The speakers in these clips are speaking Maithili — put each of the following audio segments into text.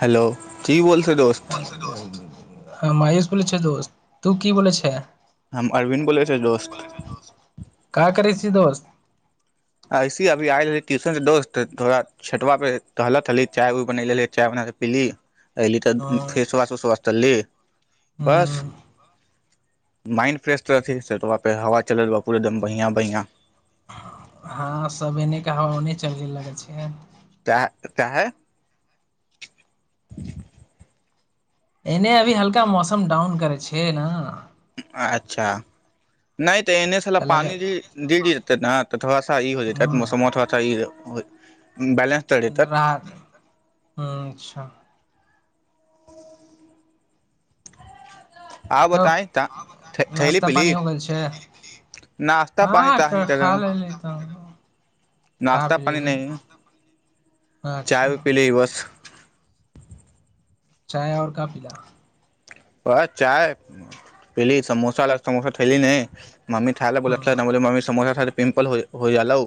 हेलो जी बोल छै दोस्त दोस्त हम आयुष बोलै छी दोस्त तू की बोलै छै हम अरविन्द बोले छै दोस्त का करै छी दोस्त ऐसि अभि आयल रहलै टूशन दोस्त थोड़ा छटवा पे टहलत हली चाय उय बनैले चाय बना पिली अयली तऽ ह फेसवाशो स्वस्थली बस माइंड फ्रेश त छटवा पे हवा चलेल पूरे एकदम बढ़िआँ बइआँ हँ सब एने क हाव ओने चल गेल लगै छै त ता हे एने अभी हल्का मौसम डाउन करै छै ने अच्छा नहि एने साला तऽ लगे पानी डी डी जेते न त थोड़ा सा ई हो जेते मौसमवा थोड़ा सा ई हो [inaudible] रा ह अच्छा आउ तब बताई तऽ थैली नाश्ता पीली पानि हो गेल छै नाश्ता पानी तऽ अहीं हँ खा तरह लेली तऽ खा नाश्ता पी पानी लेली नहि अच्छा चाय भी पीली बस चाय आर का पिल ओ चाह पी समोसा समोसा ठैली नहि मामी खायेलै ह बोलखीन हाय टहालीयै मामी समसा पिमपल हो जालौ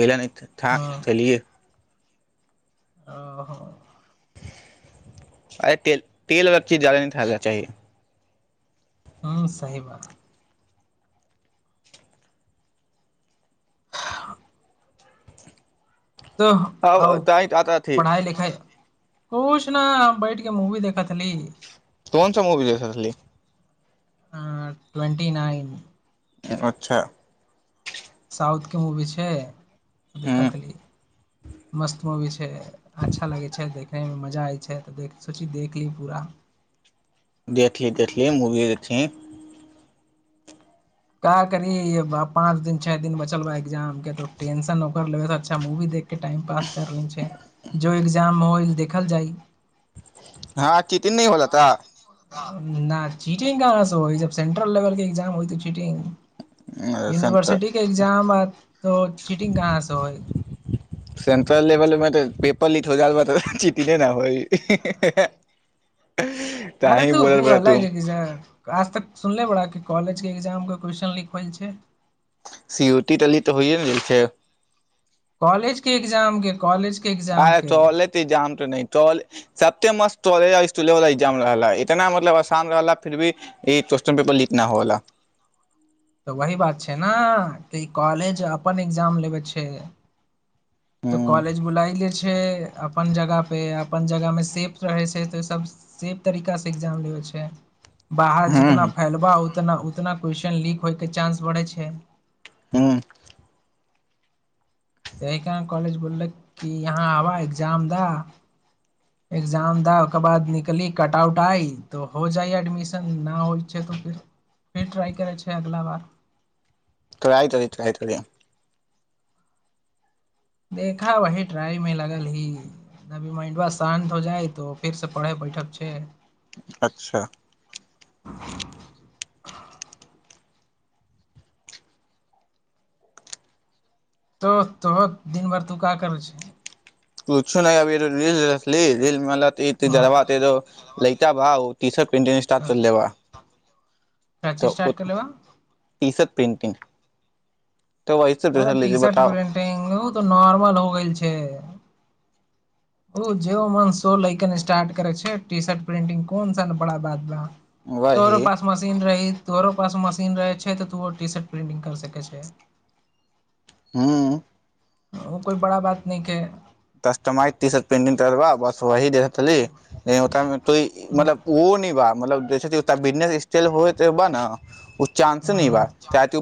एहिले ठा ठेलियै ओहो अरे तेल तेल वला चीज जादा नहि खेल चाही हँ साहि बात तऽ आ तहि ताथी कछु नहि बैटिके मुवी देखत ह नी कोन सा मूवी देख रहली हूं ट्वेन्टी नइन अच्छा साउथके मूवी छै ह कातिली मस्त चबीस हे अच्छा लगै छै देखैमे मजा जायै छै तऽ देख सोची देख ली पूरा देखली देखली मूवी देखथिन का करीहं पाँच दिन छः दिन बचल बा एग्जामके तऽ टेंशन ओकर लेबै से अच्छा मूवी देख कऽ टाइम पास कर लै छैइ जो एग्जाम में होइ देखल जाइ हँ तन नहि बोला तऽ न चीटिंग कांहा से होइ जब सेंट्रल लेवल के एग्जाम होइ त चीटिंग यूनिवर्सिटी के एग्जाम आ त चिटिंग कहाँ से होइ सेंट्रल लेवल में पेपर लीक हो जाल बा तो चीटिंग केना होइ अरे ताही तू बोलल उ बा तू अलग इक्जाम आज तक सुनले बाड़ा कि कॉलेजके एक्जामके क्वेश्चन लीक होइ छैइ सीयूटी देली तऽ होयए गेल छैइ कॉलेज के एग्जाम के कॉलेज के एग्जाम अँ के चल तऽ त जाम तऽ नहि तल सबते मस्त कॉलेज स्ुलेव ए्जाम रहला इतना मतलब आसान रहा फिर भी ई क्वेस््चन पेपर लीक न होलाा [unintelligible] तऽ वही बात छै ने तऽ ई कॉलेज अपन एग्जाम लेबै छै तऽ हूं कॉलेज बुलाइले छे अपन जगह पे अब अपन जगह मे सेफ रहै छै त सब बाहर हूं जितना फैलब उतना उतना क्वेेश्चन लीक होय के चानंस बढ़े छै ह्मँ एहि कारण कॉलेज बोललक कि यहाँ आबह एक्जाम द एक्जाम द ओकर बाद निकली कट आउट आइ तो हो जाइ एडमिशन नहि होइ छै त फेर फेर ट्राइ करै छै अगिला बार तो आत र इ आत री [unintelligible] देखा वही ट्राइ में लगल ही अभी माइंड ब शान्त हो जाइ तो फिर से पढ़े बैठे व छै अच्छा [unintelligible] तो तो दिनभरि तूका करै छै कुछो नहि अभी री रील देखलि रील मलत जरब हँ, त लैता भाव तीसर्ट पेट स्टारट कर लेब [unintelligible] काची स्टार्ट कलेबा प्रेन्टिंग अरे टी शर्ट प्रिंटिंग उ त नॉर्मल हो गेल छै ओ जे अो मन शो लइकन स्टार्ट करे छै टी शर्ट प्रिंटंग कोन सा न बड़ा बाद बा तोरो वही पास मशीन रही तोहरो पास मशीन रहै छै त तुहो टी शर्ट प्रिंटिंग करि सकै छै हू ओ कोइ बड़ा बात नहि खै कस्टमइटीसर्ट पेन्टंग तब बस वही देव चलि ओ त [unintelligible] त हूँ मतलब ओइ न बा मतलब बिजनेस एक्सटेंड होइबा न चानंस ने बा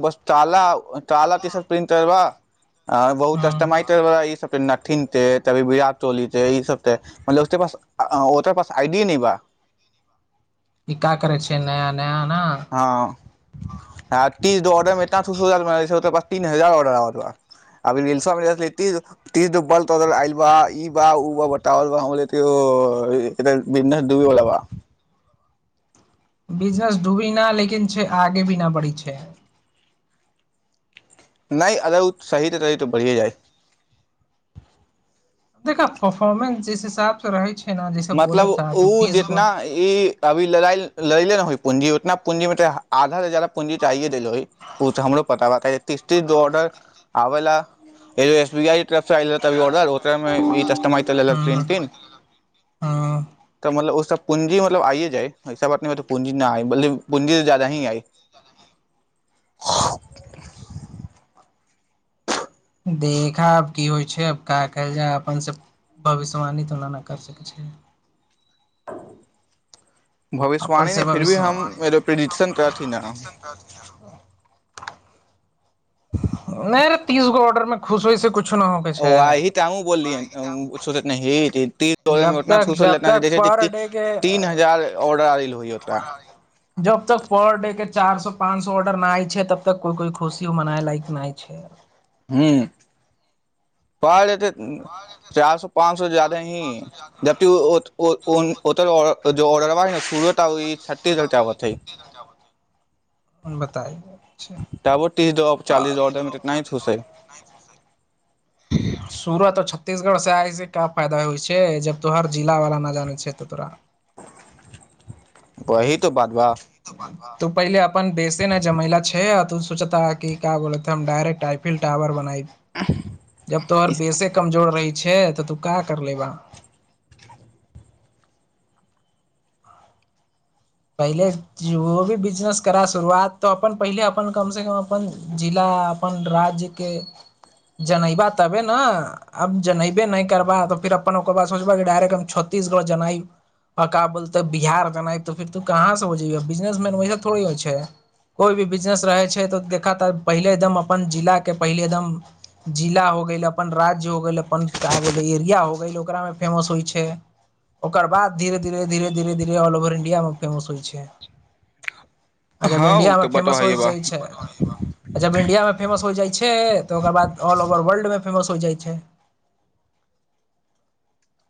बस ताला ताला तंा हूँ बटमा [unintelligible] तभी विराट कोहली तई सबे मतलब उस पास ओ तरा पास आइडिया न बा ई का करै छै नया न्याने आ तीस दह [unintelligible] छै [unintelligible] तीन हजार आर्डर आइल बा अभी [unintelligible] बिजनेस डूबी न लेकिन छै आगे भी न बढ़ी छै नहि अगर ओ सही तऽ सही तऽ बढ़ियए जाइ देखा परफोर्मेंस जिस हिसाब स रहै छै ने जैसे मतलब बोलत रहा तू ओ तीस गो जितना ई अभी लगाइल लै ले न होइ पूंजी उतना पूंजी मे त आधा से जादा पूँजी चाहिए देलो ओ त हमरो पता ब तीस तीस ऑर्डर आबै ला ईो एसबीआई ऑडर ओ कस्टम प्रिंट [inaudible] [inaudible] हँ मतलब ओ सभ पूंजी मतलब आइए जाइस बात नहि पूंजी नहि आइ मतलब पूंजी जादा ही आइ देखा आब कि होइ छै आब कऽ कैल जाय अपनसँ भविष्यवानित ना नहि करि सकै छियै। अपन भविष्यवाणी ने से फिर भी हम भविष्यवाणी प्रिडिक्शन करथि न नहि रे तीसगो ऑर्डरमे खुश होय छै कुछु जब तक जब तक पर डे के [unintelligible] जब तक पर डे के चार सौ पाँच सौ ऑर्डर ना आइ छै तब तक कोई खुशीयो मनाए लायक नै छै। हूंम्म पाइ लेतै चार सो पाँच सो से जादें ही जबति ओतऽ ऑर्डरबा सुरत आ ओहि छ्त्तीसगढ के आबत हइ बताइ तबो तीस द चालीस द ऑर्डर मे इतना ही थूसै। [unintelligible] सूरत आ छत्तीसगढ़ सँ आय सँ का फायदा होइ छै जब तोहार जिला वाला न जानै छै तऽ तोरा वहि तो बात बा वहि तऽ बात बाऽ [unintelligible] तू पहिले अपन बेसे ना जमैला छै तू सोचता हऽ का बोलत हम डायरेक्ट आइफिल टावर बनबाई जब तोहर बेसे कमजोर रही छै तऽ तू का करलेबा पहिले जो भी बिजनेस करा शुरुआत तऽ अपन पहिले अपन कम से कम अपन जिला अपन राज्य के जनैबा तबे न आब जनैबे नहि करबा तऽ फिर अपन ओकर बाद सोचबा डायरेक्ट हम छत्तीसगढ़ जनाइब आका बोलते बिहार जनाइ त फेर तू काहा से हो जैब बिजनेसमैन वैसे थोड़े होइ छै कोइ भी बिजनेस रहै छै त देखत पहिले एकदम अपने जिला के पहिले एकदम जिला हो गेल अपने राज्य हो गेल अपन का हो गेल एरिया हो गेल ओकरा फेमस होइ छै ओकर बाद धीरे धीरे धीरे धीरे धीर ऑल ओवर इन यामे फेमस होइ छै आजब हँ उ इंडिया मे तऽ बटवा फेमस होइ हइए बा जाइ छै जब इंडिया मे फेमस हो जाइ छे त ओकर बाद ऑल ओवर वर्ल्ड मे फेमस होइ जाय छै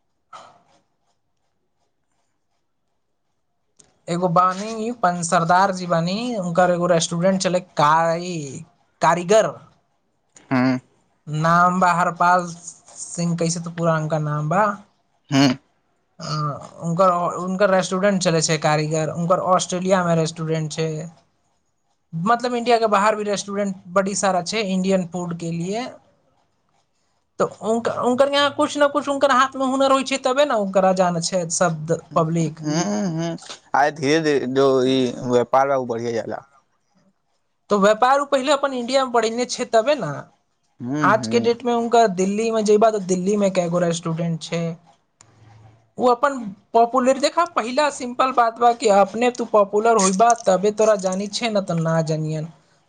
[inaudible] एगो बानी पं सरदारजी बानी हुनकर एगो रेस्टूरेंट चलै कारी कारीगर हँ नाम बा हरपाल सिंह कहै छथिऽ पुरानका नाम बा हँ उनकर उनकर रेस्टोरेंट चलै छै [unintelligible] आइ धीरे धीरे दो इ व्यापार बढ़िये जाला तऽ व्यापार ओ पहिले अपन इंडियामे बढ़ेने छै तबे ने हूँ आजके हूँ डेटमे उनका दिल्ली मे जैबा तऽ दिल्ली मे कैगो रेस्टूडेंट छै ओ अपन पॉपुलर देखा पहिला सिम्पल बात बा कि अपने तू पॉपुलर होइबा तबे तोरा जानै छै नै तऽ ना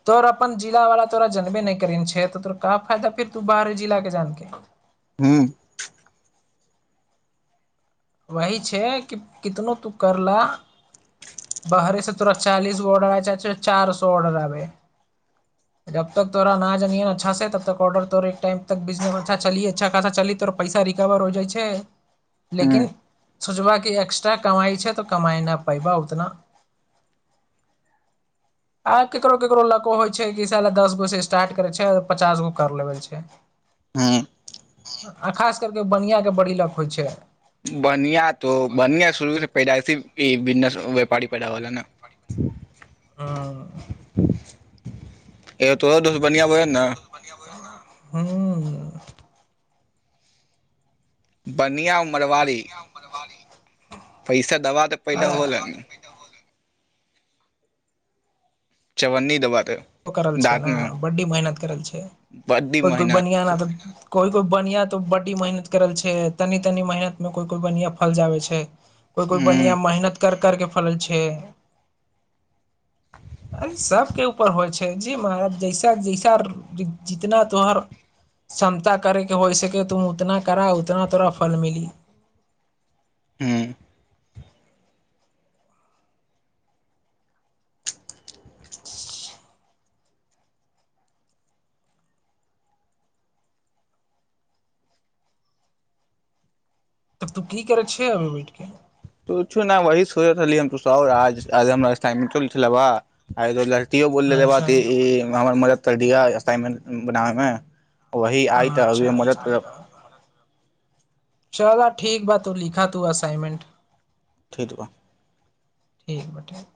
तोर अपन जिला वाला तोरा जनबे नहि करछै तोरा क फायदा फेर त बाहर जिला के जानके हू वही छै कि कितनो तू कर ल बाहरे से तोरा चालीस गो ऑर्डर आ जाय छै चार सो ऑर्डर आबे जब तक तोरा न जानिये अच्छा से तब तक ऑर्र तोर टाइट बिजनेस अछा चल अच्छा खासा चल तो पैसा रिकवर हो जाइ छै हूँ लेकिन सोचबा कि एक्स्ट्रा कमाई छै तऽ कमाइ नहि पैबा उतना आब केकरो केकरो लको होइ छै कि स दस गो साला स्टार्ट करै छै आ पचास गो कर लेबे छै हँ आ खास करकेऽ बनिआँके बड़ी लक होइ छै बनिया तो बनिया शुरू के पैदाइसी बिजनेस व्यापारी पैदावला ने हँ ए तो दुस बनिया बो ने हँ [unintelligible] बनिया मरवारी पैसा दबा तऽ आ पैदा होय तानी चवन्नी दबा त करल छै दाँत ने में बड्डी मेहनत करल छै बड्डी कोइ कोइ मेहनत बनिया न त कोइ कोइ बढनिया तो बडी मेहनत करल छै तनी तनी मेहनत में कोई कोई बढनिया फल जाबे छै कोइ कोइ हूँ बनिया मेहनत कर करके फलल छै अरे सबकेउ होइ छै जी म जैसा जैसा जितना तोहर क्षमता करेके होइ सके तुम उतना करा उतना तोरा फल मिली ह्म [inaudible] तब तू की करै छ अभी बैठके तोछू न वही सोचातनी हम तु आजज हमरा टाइम लिखलेबा आ एगो लड़कियो बोल लेलेबा अच्छा त ई हमर मदद कर दियह असाइनमेंट बनाबे मे वही आइ तऽ अभी अच्छा मदद चल ठीक बा तू लिखा तू असाइनमेंट ठीक बा ठीक बा ठीक